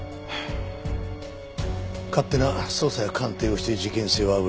勝手な捜査や鑑定をして事件性をあぶり出す。